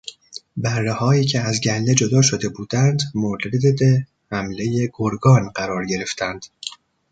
برههایی که از گله جدا شده بودند مورد حملهی گرگان قرار گرفتند.